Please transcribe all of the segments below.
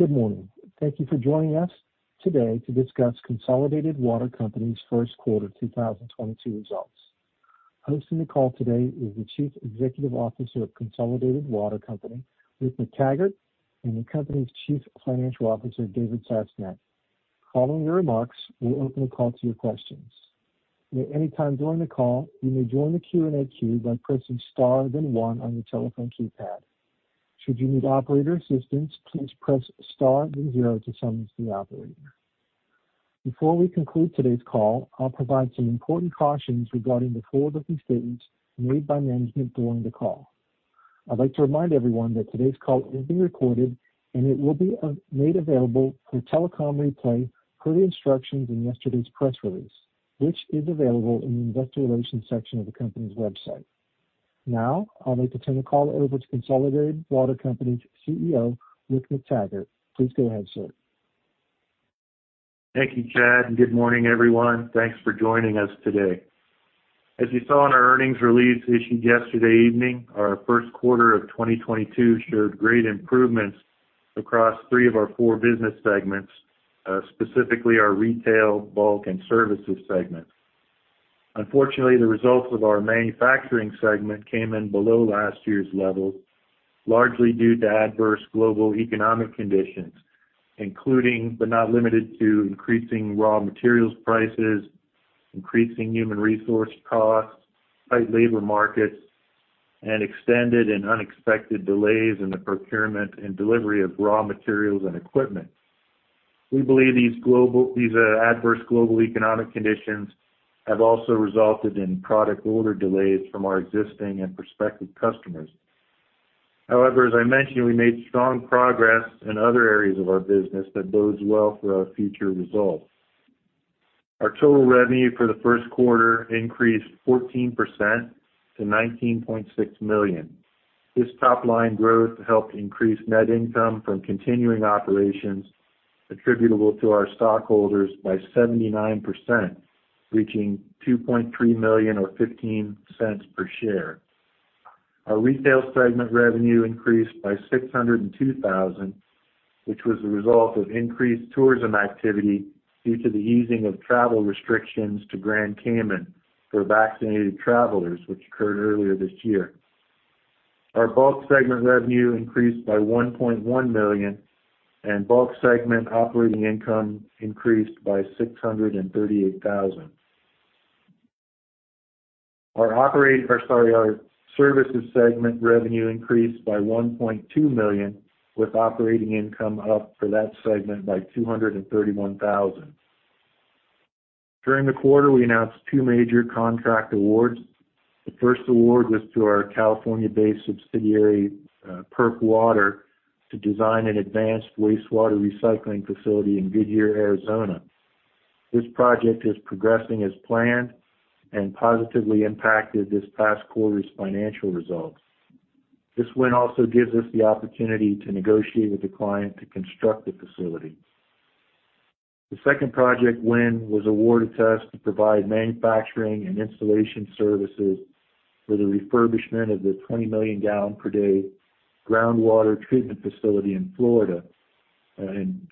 Good morning. Thank you for joining us today to discuss Consolidated Water Co. Ltd.'s first quarter 2022 results. Hosting the call today is the Chief Executive Officer of Consolidated Water Co. Ltd., Rick McTaggart, and the company's Chief Financial Officer, David Sasnett. Following their remarks, we'll open the call to your questions. At any time during the call, you may join the Q&A queue by pressing star then one on your telephone keypad. Should you need operator assistance, please press star then zero to summon the operator. Before we conclude today's call, I'll provide some important cautions regarding the forward-looking statements made by management during the call. I'd like to remind everyone that today's call is being recorded, and it will be made available through telecom replay per the instructions in yesterday's press release, which is available in the investor relations section of the company's website. Now, I'll turn the call over to Consolidated Water Co. Ltd.'s CEO, Rick McTaggart. Please go ahead, sir. Thank you, Chad, and good morning, everyone. Thanks for joining us today. As you saw in our earnings release issued yesterday evening, our first quarter of 2022 showed great improvements across three of our four business segments, specifically our retail, bulk, and services segments. Unfortunately, the results of our manufacturing segment came in below last year's level, largely due to adverse global economic conditions, including but not limited to increasing raw materials prices, increasing human resource costs, tight labor markets, and extended and unexpected delays in the procurement and delivery of raw materials and equipment. We believe these adverse global economic conditions have also resulted in product order delays from our existing and prospective customers. However, as I mentioned, we made strong progress in other areas of our business that bodes well for our future results. Our total revenue for the first quarter increased 14% to $19.6 million. This top line growth helped increase net income from continuing operations attributable to our stockholders by 79%, reaching $2.3 million or $0.15 per share. Our retail segment revenue increased by $602 thousand, which was the result of increased tourism activity due to the easing of travel restrictions to Grand Cayman for vaccinated travelers, which occurred earlier this year. Our bulk segment revenue increased by $1.1 million, and bulk segment operating income increased by $638 thousand. Our services segment revenue increased by $1.2 million, with operating income up for that segment by $231 thousand. During the quarter, we announced two major contract awards. The first award was to our California-based subsidiary, PERC Water, to design an advanced wastewater recycling facility in Goodyear, Arizona. This project is progressing as planned and positively impacted this past quarter's financial results. This win also gives us the opportunity to negotiate with the client to construct the facility. The second project win was awarded to us to provide manufacturing and installation services for the refurbishment of the 20 million gallons per day groundwater treatment facility in Florida, in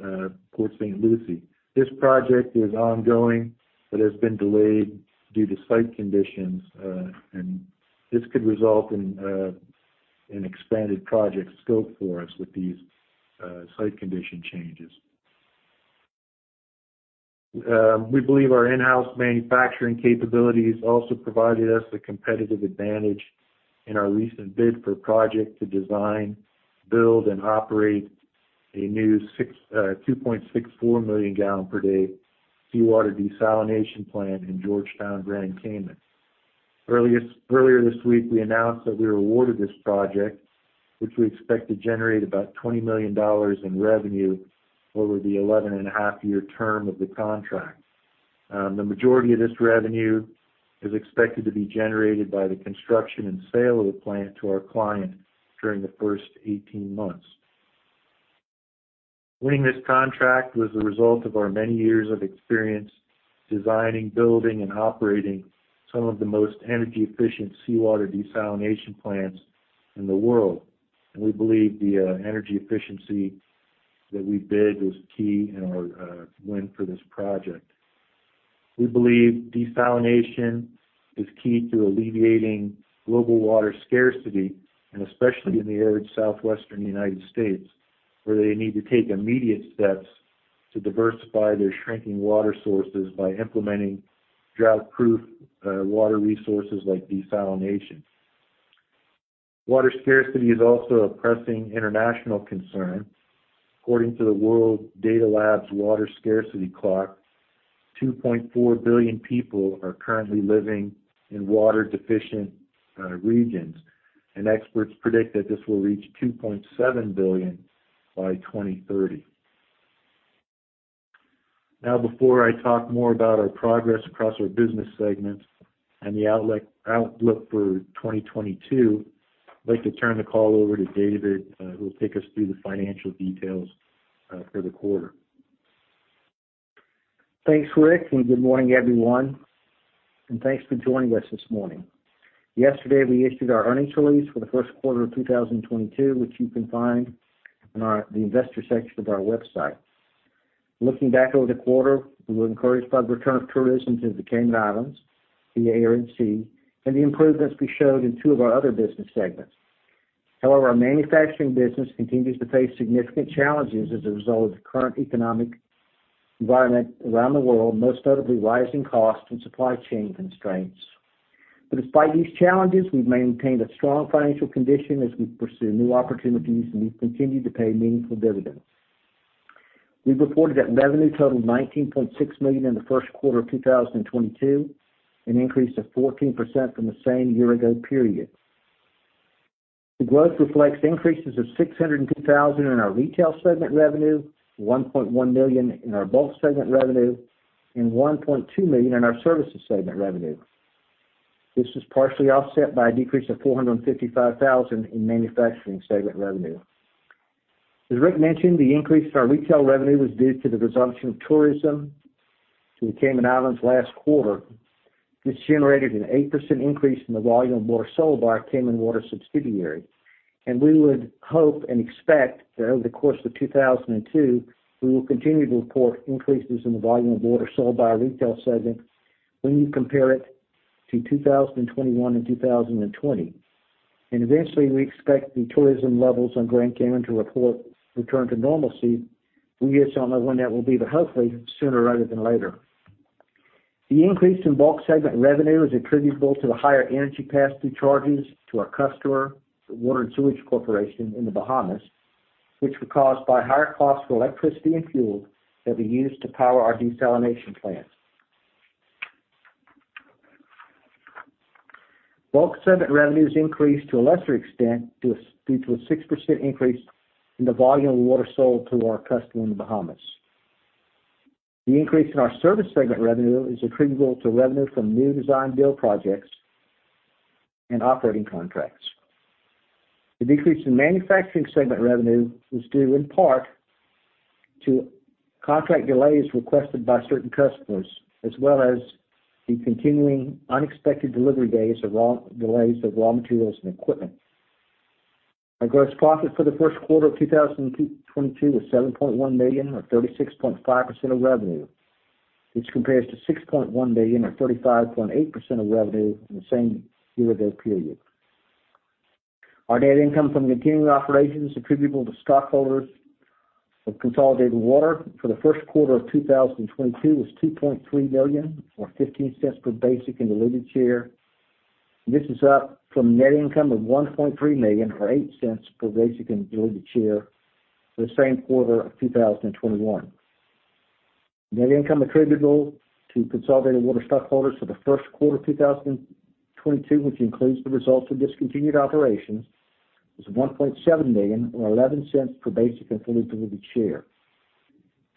Port St. Lucie. This project is ongoing, but has been delayed due to site conditions, and this could result in an expanded project scope for us with these site condition changes. We believe our in-house manufacturing capabilities also provided us a competitive advantage in our recent bid for a project to design, build, and operate a new 2.64 million gallon per day seawater desalination plant in George Town, Grand Cayman. Earlier this week, we announced that we were awarded this project, which we expect to generate about $20 million in revenue over the 11.5-year term of the contract. The majority of this revenue is expected to be generated by the construction and sale of the plant to our client during the first 18 months. Winning this contract was the result of our many years of experience designing, building, and operating some of the most energy-efficient seawater desalination plants in the world. We believe the energy efficiency that we bid was key in our win for this project. We believe desalination is key to alleviating global water scarcity, and especially in the arid southwestern United States, where they need to take immediate steps to diversify their shrinking water sources by implementing drought-proof water resources like desalination. Water scarcity is also a pressing international concern. According to the World Data Lab's Water Scarcity Clock, 2.4 billion people are currently living in water-deficient regions, and experts predict that this will reach 2.7 billion by 2030. Now, before I talk more about our progress across our business segments and the outlook for 2022, I'd like to turn the call over to David, who will take us through the financial details for the quarter. Thanks, Rick, and good morning, everyone, and thanks for joining us this morning. Yesterday, we issued our earnings release for the first quarter of 2022, which you can find on the investor section of our website. Looking back over the quarter, we were encouraged by the return of tourism to the Cayman Islands via air and sea, and the improvements we showed in two of our other business segments. However, our manufacturing business continues to face significant challenges as a result of the current economic environment around the world, most notably rising costs and supply chain constraints. Despite these challenges, we've maintained a strong financial condition as we pursue new opportunities, and we've continued to pay meaningful dividends. We've reported that revenue totaled $19.6 million in the first quarter of 2022, an increase of 14% from the same year ago period. The growth reflects increases of $602,000 in our retail segment revenue, $1.1 million in our bulk segment revenue, and $1.2 million in our services segment revenue. This was partially offset by a decrease of $455,000 in manufacturing segment revenue. As Rick mentioned, the increase in our retail revenue was due to the resumption of tourism to the Cayman Islands last quarter. This generated an 8% increase in the volume of water sold by our Cayman water subsidiary. We would hope and expect that over the course of 2022, we will continue to report increases in the volume of water sold by our retail segment when you compare it to 2021 and 2020. Eventually, we expect the tourism levels on Grand Cayman to return to normalcy. We just don't know when that will be, but hopefully sooner rather than later. The increase in bulk segment revenue is attributable to the higher energy pass-through charges to our customer, the Water and Sewerage Corporation in the Bahamas, which were caused by higher costs for electricity and fuel that we use to power our desalination plants. Bulk segment revenues increased to a lesser extent due to a 6% increase in the volume of water sold to our customer in the Bahamas. The increase in our service segment revenue is attributable to revenue from new design build projects and operating contracts. The decrease in manufacturing segment revenue was due in part to contract delays requested by certain customers, as well as the continuing unexpected delivery delays of raw materials and equipment. Our gross profit for the first quarter of 2022 was $7.1 million or 36.5% of revenue, which compares to $6.1 million or 35.8% of revenue in the same year-ago period. Our net income from continuing operations attributable to stockholders of Consolidated Water for the first quarter of 2022 was $2.3 million or $0.15 per basic and diluted share. This is up from net income of $1.3 million or $0.08 per basic and diluted share for the same quarter of 2021. Net income attributable to Consolidated Water stockholders for the first quarter of 2022, which includes the results of discontinued operations, was $1.7 million or $0.11 per basic and fully diluted share.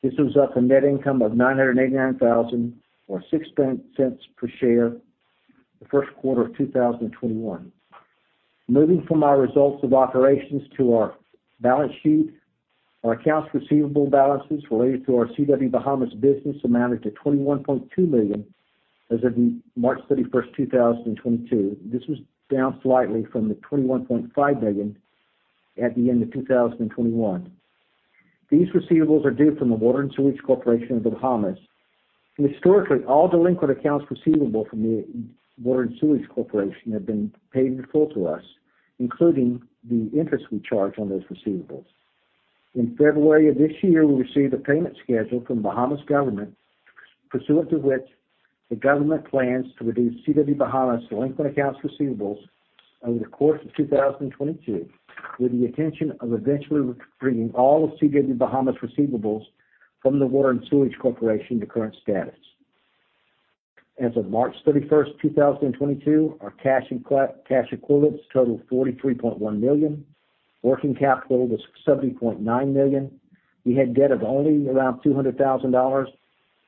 This was up from net income of $989,000 or $0.06 per share the first quarter of 2021. Moving from our results of operations to our balance sheet. Our accounts receivable balances related to our CW-Bahamas business amounted to $21.2 million as of March 31, 2022. This was down slightly from the $21.5 million at the end of 2021. These receivables are due from the Water and Sewerage Corporation of the Bahamas. Historically, all delinquent accounts receivable from the Water and Sewerage Corporation have been paid in full to us, including the interest we charge on those receivables. In February of this year, we received a payment schedule from Bahamas Government, pursuant to which the government plans to reduce CW Bahamas' delinquent accounts receivables over the course of 2022, with the intention of eventually re-bringing all of CW Bahamas' receivables from the Water and Sewerage Corporation to current status. As of March 31, 2022, our cash and cash equivalents totaled $43.1 million. Working capital was $70.9 million. We had debt of only around $200,000,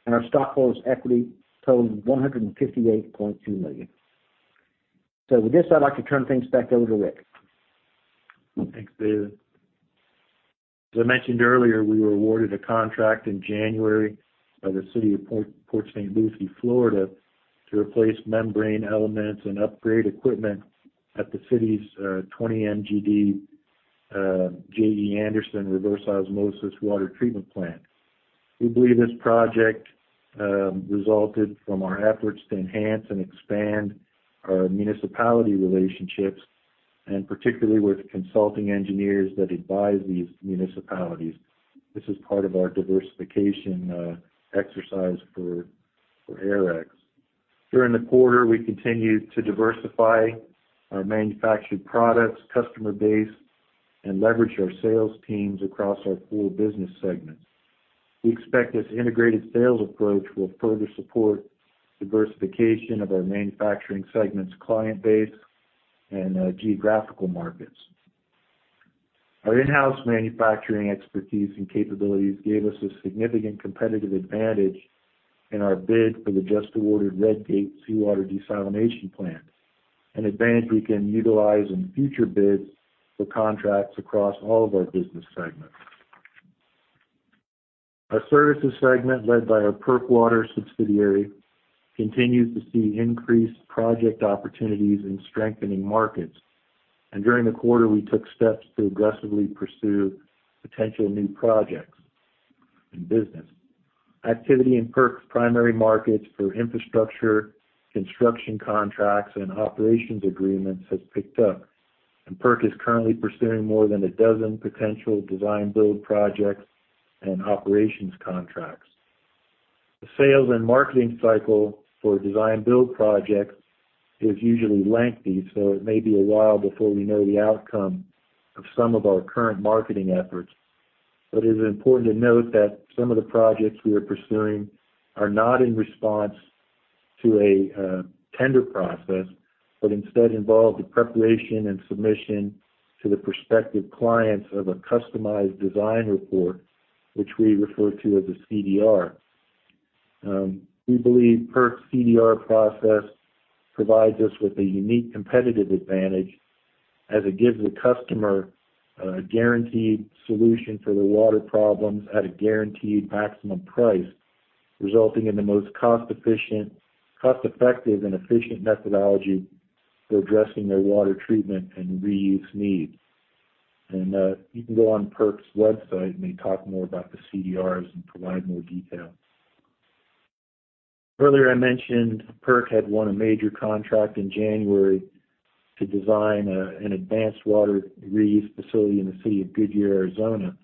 and our stockholders' equity totaled $158.2 million. With this, I'd like to turn things back over to Rick. Thanks, David. As I mentioned earlier, we were awarded a contract in January by the City of Port St. Lucie, Florida, to replace membrane elements and upgrade equipment at the city's 20 MGD J.E. Anderson Reverse Osmosis Water Treatment Plant. We believe this project resulted from our efforts to enhance and expand our municipality relationships, and particularly with the consulting engineers that advise these municipalities. This is part of our diversification exercise for Aerex. During the quarter, we continued to diversify our manufactured products, customer base, and leverage our sales teams across our full business segments. We expect this integrated sales approach will further support diversification of our manufacturing segment's client base and geographical markets. Our in-house manufacturing expertise and capabilities gave us a significant competitive advantage in our bid for the just-awarded Red Gate Seawater Desalination Plant. An advantage we can utilize in future bids for contracts across all of our business segments. Our services segment, led by our PERC Water subsidiary, continues to see increased project opportunities in strengthening markets. During the quarter, we took steps to aggressively pursue potential new projects and business. Activity in PERC's primary markets for infrastructure, construction contracts, and operations agreements has picked up, and PERC is currently pursuing more than a dozen potential design build projects and operations contracts. The sales and marketing cycle for design build projects is usually lengthy, so it may be a while before we know the outcome of some of our current marketing efforts. It is important to note that some of the projects we are pursuing are not in response to a tender process, but instead involve the preparation and submission to the prospective clients of a customized design report, which we refer to as a CDR. We believe PERC's CDR process provides us with a unique competitive advantage as it gives the customer a guaranteed solution for their water problems at a guaranteed maximum price, resulting in the most cost-effective and efficient methodology for addressing their water treatment and reuse needs. You can go on PERC's website, and they talk more about the CDRs and provide more details. Earlier I mentioned PERC had won a major contract in January to design an advanced water reuse facility in the city of Goodyear, Arizona.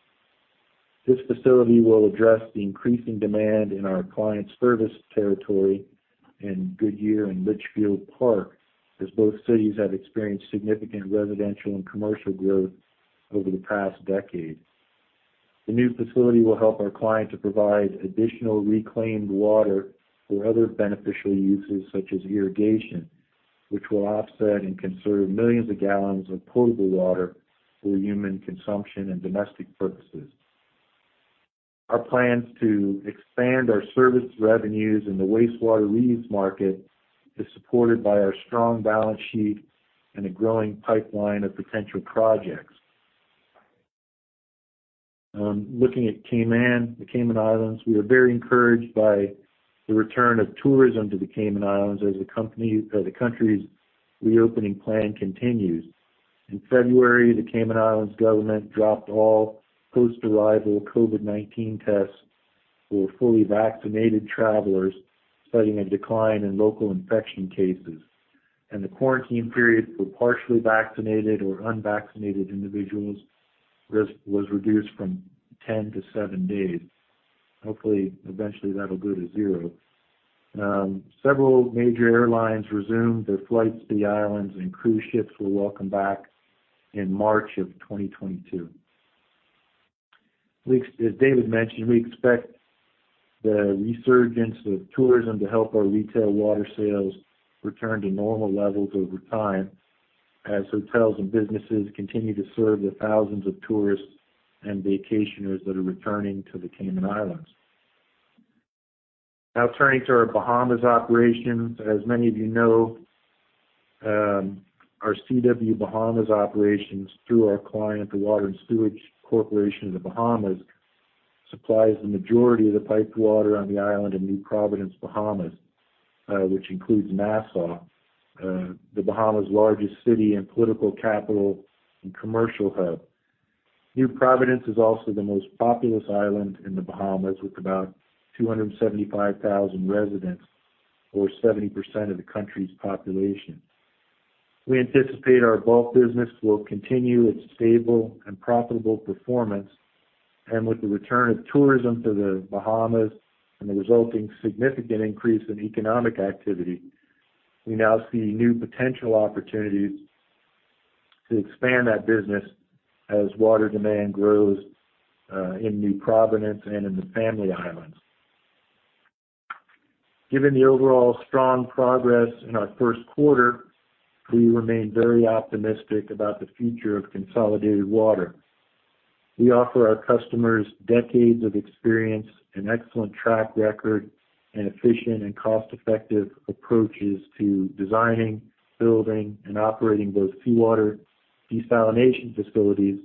This facility will address the increasing demand in our client's service territory in Goodyear and Litchfield Park, as both cities have experienced significant residential and commercial growth over the past decade. The new facility will help our client to provide additional reclaimed water for other beneficial uses such as irrigation, which will offset and conserve millions of gallons of potable water for human consumption and domestic purposes. Our plans to expand our service revenues in the wastewater reuse market is supported by our strong balance sheet and a growing pipeline of potential projects. Looking at Cayman, the Cayman Islands, we are very encouraged by the return of tourism to the Cayman Islands as the country's reopening plan continues. In February, the Cayman Islands government dropped all post-arrival COVID-19 tests for fully vaccinated travelers, citing a decline in local infection cases. The quarantine periods for partially vaccinated or unvaccinated individuals was reduced from 10 to 7 days. Hopefully, eventually that'll go to zero. Several major airlines resumed their flights to the islands, and cruise ships were welcomed back in March of 2022. As David mentioned, we expect the resurgence of tourism to help our retail water sales return to normal levels over time as hotels and businesses continue to serve the thousands of tourists and vacationers that are returning to the Cayman Islands. Now turning to our Bahamas operations. As many of you know, our CW Bahamas operations through our client, the Water and Sewerage Corporation of The Bahamas, supplies the majority of the piped water on the island of New Providence, Bahamas, which includes Nassau, the Bahamas' largest city and political capital and commercial hub. New Providence is also the most populous island in the Bahamas, with about 275,000 residents or 70% of the country's population. We anticipate our bulk business will continue its stable and profitable performance. With the return of tourism to the Bahamas and the resulting significant increase in economic activity, we now see new potential opportunities to expand that business as water demand grows in New Providence and in the Family Islands. Given the overall strong progress in our first quarter, we remain very optimistic about the future of Consolidated Water. We offer our customers decades of experience, an excellent track record, and efficient and cost-effective approaches to designing, building, and operating both seawater desalination facilities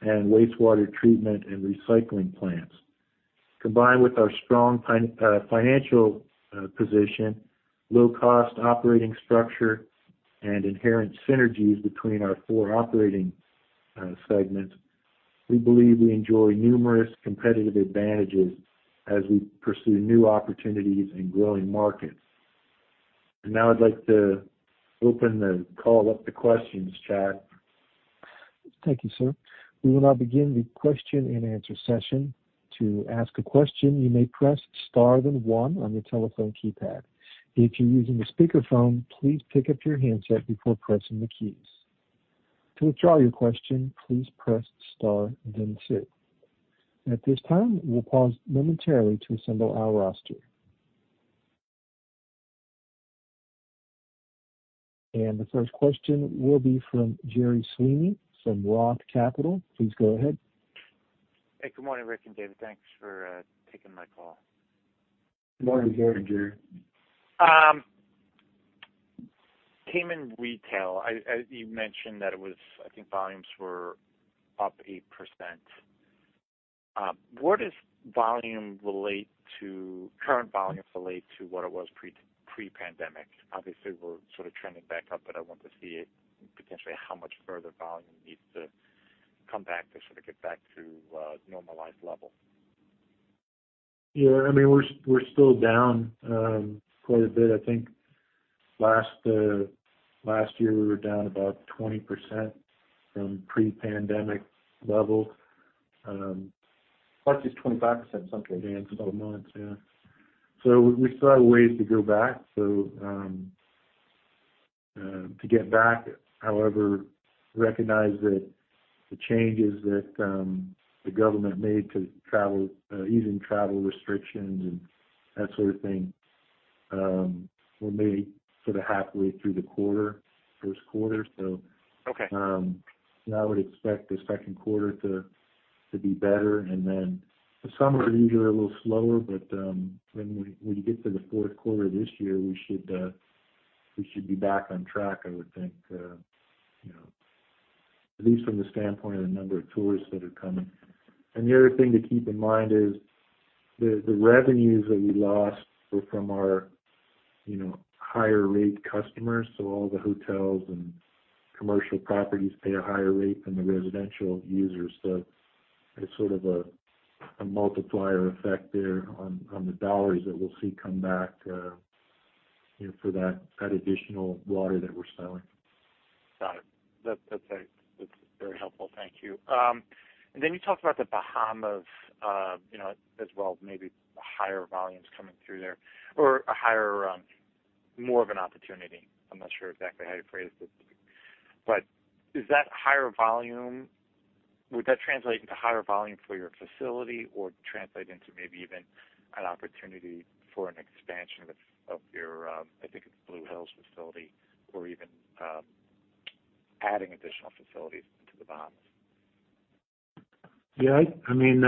and wastewater treatment and recycling plants. Combined with our strong financial position, low-cost operating structure, and inherent synergies between our four operating segments, we believe we enjoy numerous competitive advantages as we pursue new opportunities in growing markets. Now I'd like to open the call up to questions, Chad. Thank you, sir. We will now begin the question-and-answer session. To ask a question, you may press star then one on your telephone keypad. If you're using a speakerphone, please pick up your handset before pressing the keys. To withdraw your question, please press star then two. At this time, we'll pause momentarily to assemble our roster. The first question will be from Gerry Sweeney from Roth Capital Partners. Please go ahead. Hey, good morning, Rick and David. Thanks for taking my call. Good morning, Gerry. Cayman retail, I, as you mentioned that it was, I think, volumes were up 8%. What does current volume relate to what it was pre-pandemic? Obviously, we're sort of trending back up, but I want to see potentially how much further volume needs to come back to sort of get back to a normalized level. Yeah, I mean, we're still down quite a bit. I think last year, we were down about 20% from pre-pandemic levels. Actually, it's 25%. About a month, yeah. We still have a ways to go back. To get back, however, recognize that the changes that the government made to travel, easing travel restrictions and that sort of thing, were made sort of halfway through the quarter, first quarter. Okay. I would expect the second quarter to be better. Then the summer is usually a little slower, but when you get to the fourth quarter this year, we should be back on track, I would think, you know, at least from the standpoint of the number of tourists that are coming. The other thing to keep in mind is the revenues that we lost were from our, you know, higher rate customers. All the hotels and commercial properties pay a higher rate than the residential users. It's sort of a multiplier effect there on the dollars that we'll see come back, you know, for that additional water that we're selling. Got it. That's very helpful. Thank you. You talked about The Bahamas, you know, as well, maybe higher volumes coming through there or a higher, more of an opportunity. I'm not sure exactly how you phrased it. Is that higher volume would that translate into higher volume for your facility or translate into maybe even an opportunity for an expansion of your, I think it's Blue Hills facility or even adding additional facilities to The Bahamas? I mean,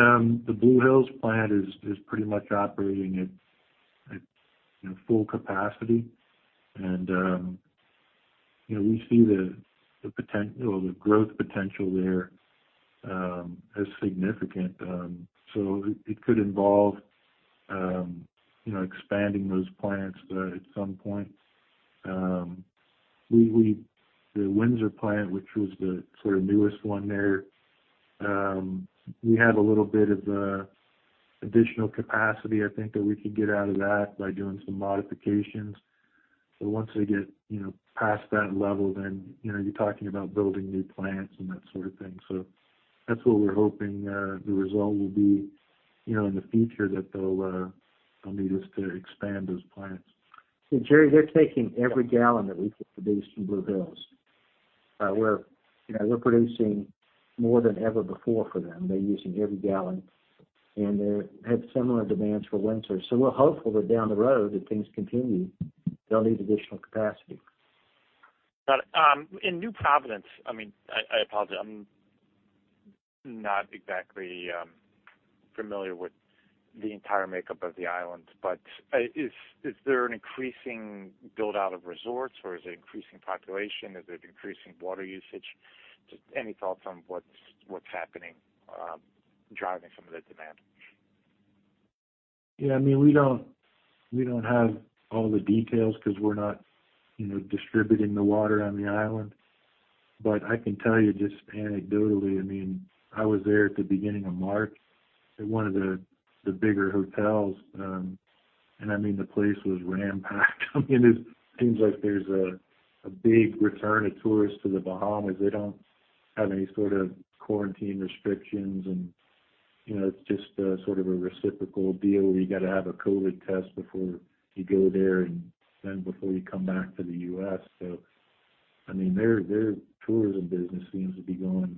the Blue Hills plant is pretty much operating at you know full capacity. We see the growth potential there as significant. It could involve you know expanding those plants at some point. The Windsor plant, which was the sort of newest one there, we have a little bit of additional capacity I think that we could get out of that by doing some modifications. Once we get you know past that level, then you know you're talking about building new plants and that sort of thing. That's what we're hoping the result will be you know in the future that they'll need us to expand those plants. Gerry, they're taking every gallon that we produce from Blue Hills. We're producing more than ever before for them. They're using every gallon, and they had similar demands for Windsor. We're hopeful that down the road, if things continue, they'll need additional capacity. Got it. In New Providence, I mean, I apologize, I'm not exactly familiar with the entire makeup of the island, but is there an increasing build-out of resorts, or is it increasing population? Is it increasing water usage? Just any thoughts on what's happening, driving some of the demand? Yeah, I mean, we don't have all the details because we're not, you know, distributing the water on the island. I can tell you just anecdotally, I mean, I was there at the beginning of March at one of the bigger hotels, and I mean, the place was jam-packed. I mean, it seems like there's a big return of tourists to The Bahamas. They don't have any sort of quarantine restrictions and, you know, it's just a sort of a reciprocal deal where you got to have a COVID test before you go there and then before you come back to the US I mean, their tourism business seems to be going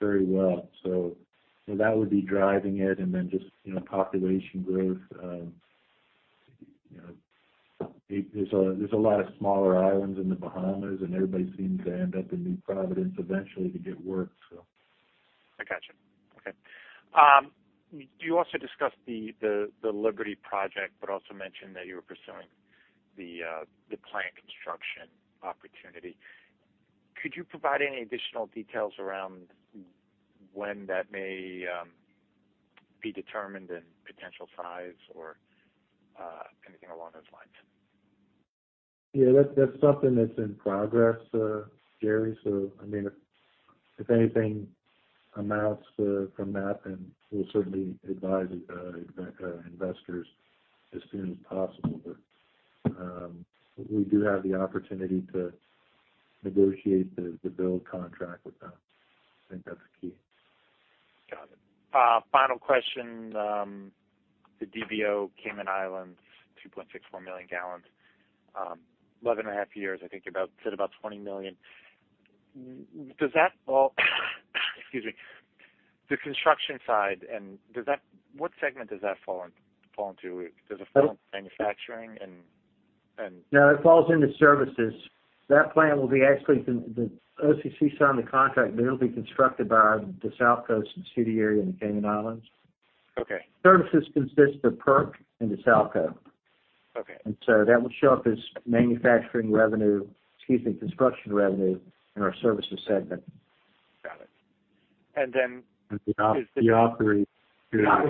very well. That would be driving it and then just, you know, population growth. You know, there's a lot of smaller islands in The Bahamas, and everybody seems to end up in New Providence eventually to get work, so. I got you. Okay. You also discussed the Liberty project, but also mentioned that you were pursuing the plant construction opportunity. Could you provide any additional details around when that may be determined and potential size or anything along those lines? Yeah, that's something that's in progress, Jerry. I mean, if anything amounts from that then we'll certainly advise investors as soon as possible. We do have the opportunity to negotiate the build contract with them. I think that's key. Got it. Final question. The DBO, Cayman Islands, 2.64 million gallons, eleven and a half years, I think said about $20 million. Does that all. Excuse me. The construction side and what segment does that fall into? Does it fall in manufacturing and- No, it falls into services. That plant will be actually the OC-Cayman signed the contract, but it'll be constructed by the South Sound area in the Cayman Islands. Okay. Services consists of PERC and the DesalCo. Okay. That will show up as manufacturing revenue, excuse me, construction revenue in our services segment. Got it. The operating-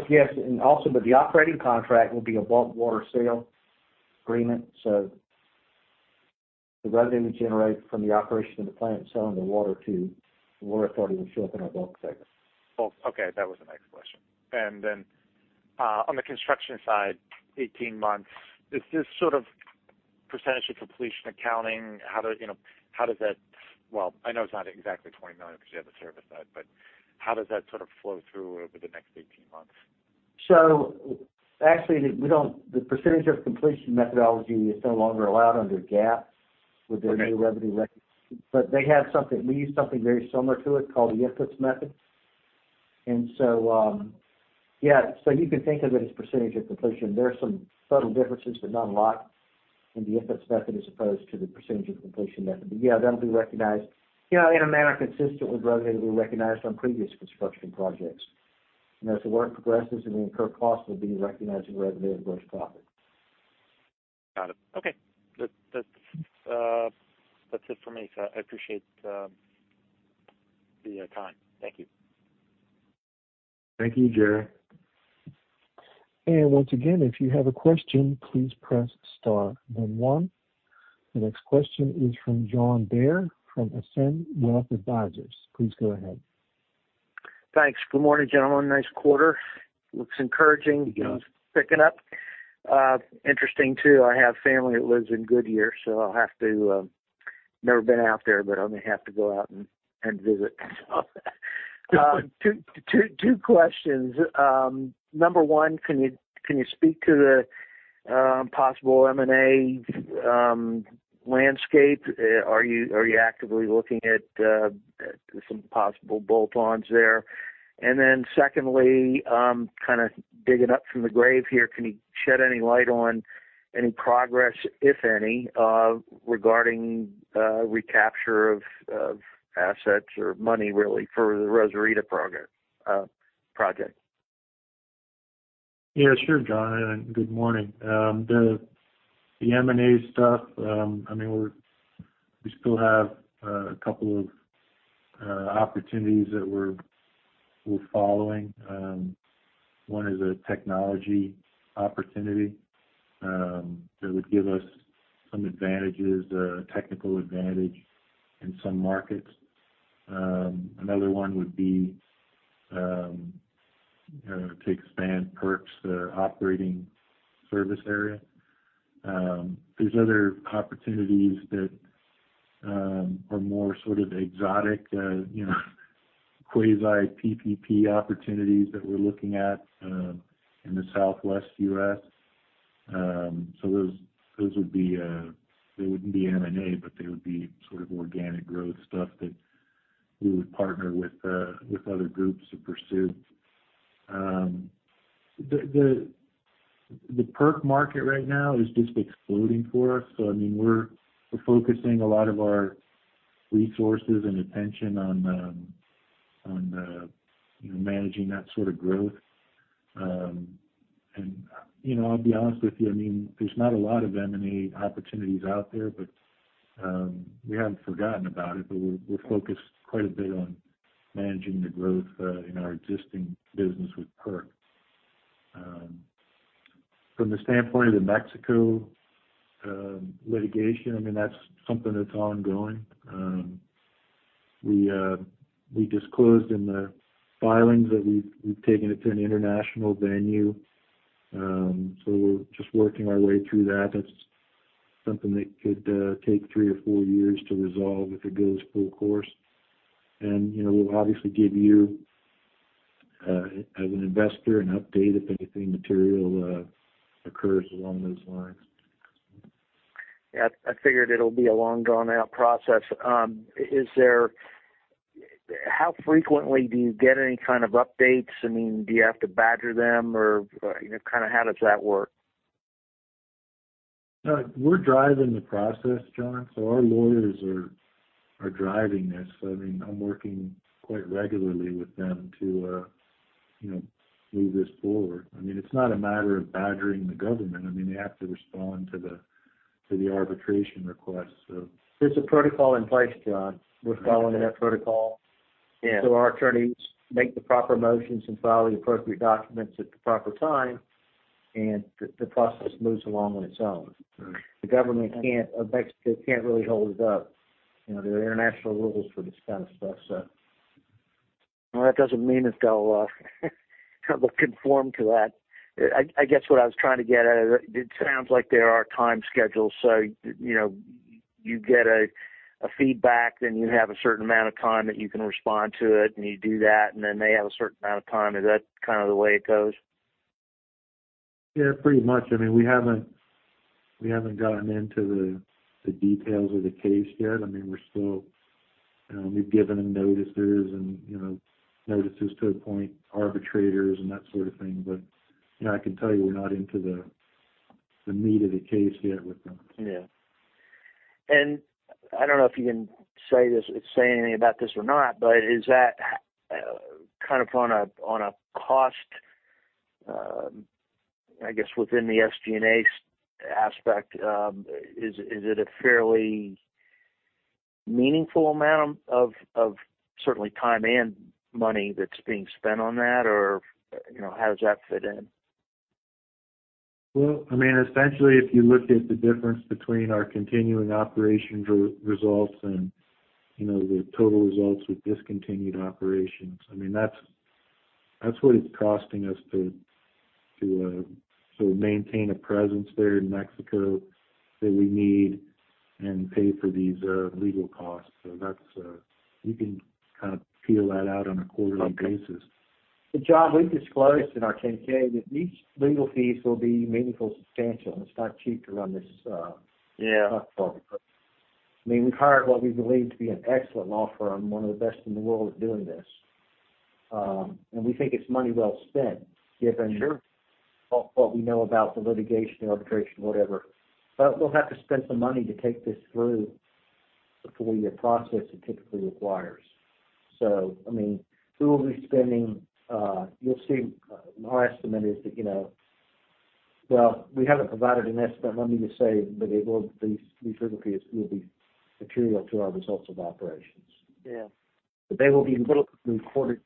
Yes. The operating contract will be a bulk water sale agreement. The revenue generated from the operation of the plant selling the water to the Water Authority-Cayman will show up in our bulk segment. Bulk. Okay, that was the next question. On the construction side, 18 months, is this sort of percentage of completion accounting? How does, you know, how does that flow through? Well, I know it's not exactly $20 million because you have the service side, but how does that sort of flow through over the next 18 months? Actually, the percentage of completion methodology is no longer allowed under GAAP with their new revenue recognition. They have something, we use something very similar to it called the income approach. You can think of it as percentage of completion. There are some subtle differences, but not a lot in the income approach as opposed to the percentage of completion method. That'll be recognized, you know, in a manner consistent with revenue we recognized on previous construction projects. As the work progresses and we incur costs, we'll be recognizing revenue and gross profit. Got it. Okay. That's it for me. I appreciate the time. Thank you. Thank you, Chad. Once again, if you have a question, please press star then one. The next question is from John Bair from Ascend Wealth Advisors. Please go ahead. Thanks. Good morning, gentlemen. Nice quarter. Looks encouraging. Thank you. Things picking up. Interesting too, I have family that lives in Goodyear, so I'll have to. Never been out there, but I may have to go out and visit. Good. Two questions. Number one, can you speak to the possible M&A landscape? Are you actively looking at some possible bolt-ons there? Secondly, kind of digging up from the grave here, can you shed any light on any progress, if any, regarding recapture of assets or money really for the Rosarito program project? Yeah, sure, John, and good morning. The M&A stuff, I mean, we still have a couple of opportunities that we're following. One is a technology opportunity that would give us some advantages, technical advantage in some markets. Another one would be to expand PERC's operating service area. There's other opportunities that are more sort of exotic, you know, quasi-PPP opportunities that we're looking at in the southwest US Those would be. They wouldn't be M&A, but they would be sort of organic growth stuff that we would partner with other groups to pursue. The PERC market right now is just exploding for us. I mean, we're focusing a lot of our resources and attention on, you know, managing that sort of growth. You know, I'll be honest with you, I mean, there's not a lot of M&A opportunities out there, but we haven't forgotten about it, but we're focused quite a bit on managing the growth in our existing business with PERC. From the standpoint of the Mexico litigation, I mean, that's something that's ongoing. We disclosed in the filings that we've taken it to an international venue. We're just working our way through that. That's something that could take three or four years to resolve if it goes full course. You know, we'll obviously give you, as an investor, an update if anything material occurs along those lines. Yeah. I figured it'll be a long, drawn out process. How frequently do you get any kind of updates? I mean, do you have to badger them or, you know, kind of how does that work? We're driving the process, John. Our lawyers are driving this. I mean, I'm working quite regularly with them to, you know, move this forward. I mean, it's not a matter of badgering the government. I mean, they have to respond to the arbitration request, so. There's a protocol in place, John. We're following that protocol. Yeah. Our attorneys make the proper motions and file the appropriate documents at the proper time, and the process moves along on its own. Right. The government of Mexico can't really hold it up. You know, there are international rules for this kind of stuff. Well, that doesn't mean that they'll conform to that. I guess what I was trying to get at is, it sounds like there are time schedules. You know, you get a feedback, then you have a certain amount of time that you can respond to it, and you do that, and then they have a certain amount of time. Is that kind of the way it goes? Yeah, pretty much. I mean, we haven't gotten into the details of the case yet. I mean, we've given them notices and, you know, notices to appoint arbitrators and that sort of thing. You know, I can tell you we're not into the meat of the case yet with them. Yeah. I don't know if you can say anything about this or not, but is that kind of on a cost, I guess within the SG&A aspect, is it a fairly meaningful amount of certainly time and money that's being spent on that or, you know, how does that fit in? Well, I mean, essentially, if you look at the difference between our continuing operations results and, you know, the total results with discontinued operations, I mean, that's what it's costing us to sort of maintain a presence there in Mexico that we need and pay for these legal costs. You can kind of peel that out on a quarterly basis. Okay. John, we've disclosed in our 10-K that these legal fees will be meaningful, substantial. It's not cheap to run this, Yeah. I mean, we've hired what we believe to be an excellent law firm, one of the best in the world at doing this. We think it's money well spent, given- Sure. What we know about the litigation, arbitration, whatever. We'll have to spend some money to take this through the four-year process it typically requires. I mean, we will be spending, you'll see our estimate is that, you know. Well, we haven't provided an estimate. Let me just say that these legal fees will be material to our results of operations. Yeah. They will be recorded.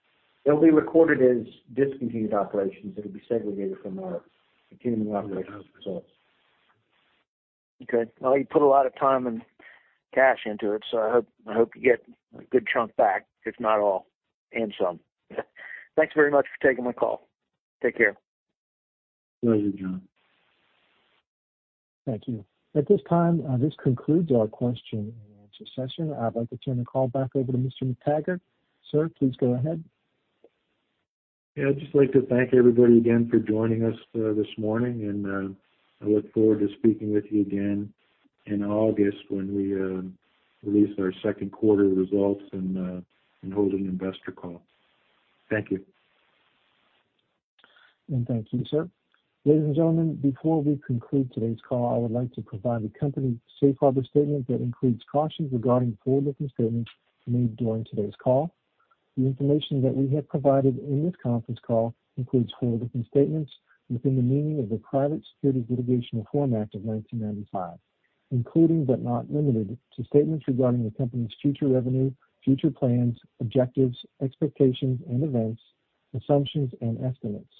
They'll be recorded as discontinued operations. It'll be segregated from our continuing operations results. Okay. Well, you put a lot of time and cash into it, so I hope you get a good chunk back, if not all, and some. Thanks very much for taking my call. Take care. Pleasure, John. Thank you. At this time, this concludes our question and answer session. I'd like to turn the call back over to Mr. McTaggart. Sir, please go ahead. Yeah, I'd just like to thank everybody again for joining us this morning, and I look forward to speaking with you again in August when we release our second quarter results and hold an investor call. Thank you. Thank you, sir. Ladies and gentlemen, before we conclude today's call, I would like to provide the company's safe harbor statement that includes cautions regarding forward-looking statements made during today's call. The information that we have provided in this conference call includes forward-looking statements within the meaning of the Private Securities Litigation Reform Act of 1995, including but not limited to statements regarding the company's future revenue, future plans, objectives, expectations and events, assumptions and estimates.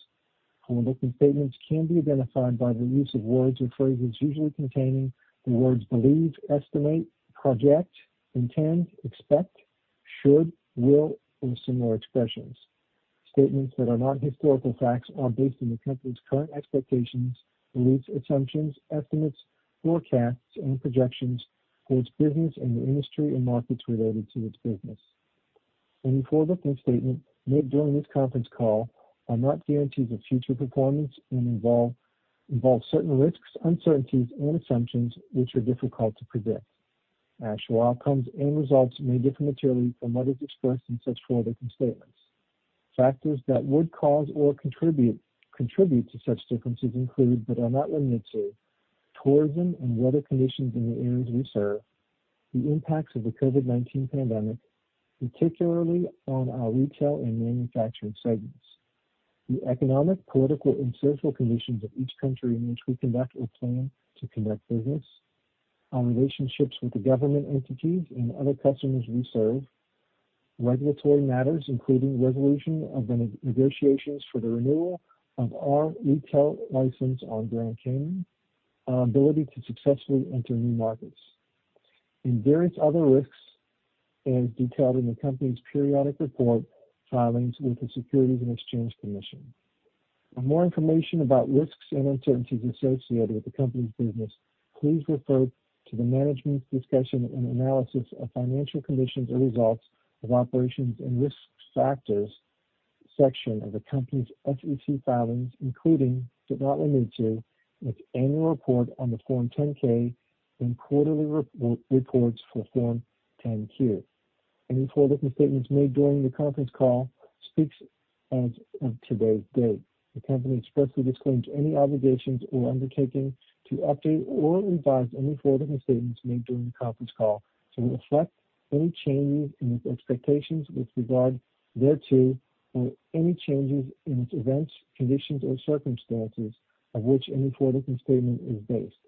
Forward-looking statements can be identified by the use of words or phrases usually containing the words believe, estimate, project, intend, expect, should, will, or similar expressions. Statements that are not historical facts are based on the company's current expectations, beliefs, assumptions, estimates, forecasts, and projections for its business and the industry and markets related to its business. Any forward-looking statements made during this conference call are not guarantees of future performance and involve certain risks, uncertainties and assumptions which are difficult to predict. Actual outcomes and results may differ materially from those expressed in such forward-looking statements. Factors that would cause or contribute to such differences include, but are not limited to tourism and weather conditions in the areas we serve, the impacts of the COVID-19 pandemic, particularly on our retail and manufacturing segments, the economic, political and social conditions of each country in which we conduct or plan to conduct business, our relationships with the government entities and other customers we serve, regulatory matters, including resolution of negotiations for the renewal of our retail license on Grand Cayman, our ability to successfully enter new markets, and various other risks as detailed in the company's periodic report filings with the Securities and Exchange Commission. For more information about risks and uncertainties associated with the company's business, please refer to the Management's Discussion and Analysis of Financial Condition and Results of Operations and Risk Factors section of the company's SEC filings, including, but not limited to, its annual report on Form 10-K and quarterly reports for Form 10-Q. Any forward-looking statements made during the conference call speaks as of today's date. The company expressly disclaims any obligations or undertaking to update or revise any forward-looking statements made during the conference call to reflect any changes in its expectations with regard thereto or any changes in the events, conditions or circumstances on which any forward-looking statement is based,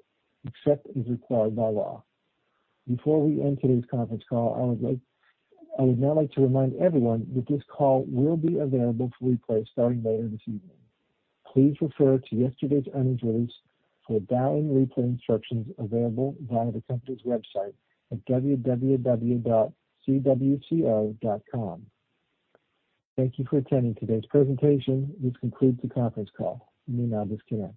except as required by law. Before we end today's conference call, I would now like to remind everyone that this call will be available for replay starting later this evening. Please refer to yesterday's earnings release for dial-in replay instructions available via the company's website at www.cwco.com. Thank you for attending today's presentation. This concludes the conference call. You may now disconnect.